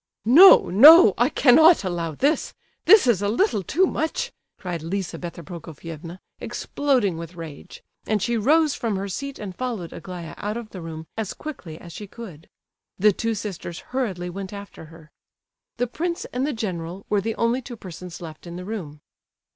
"No, no! I cannot allow this,—this is a little too much," cried Lizabetha Prokofievna, exploding with rage, and she rose from her seat and followed Aglaya out of the room as quickly as she could. The two sisters hurriedly went after her. The prince and the general were the only two persons left in the room.